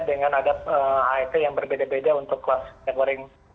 dengan agar aet yang berbeda beda untuk kelas goreng